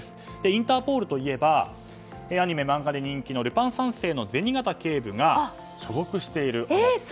インタポールといえばアニメ、漫画で人気の銭形警部が所属しているところ。